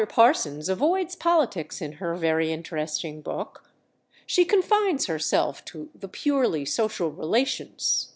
Parsons avoids politics in her very interesting book. She confines herself to the purely social relations, e.